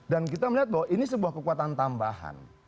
dan kita melihat bahwa ini sebuah kekuatan tambahan